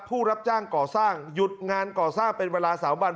ผู้รับจ้างก่อสร้างหยุดงานก่อสร้างเป็นเวลา๓วัน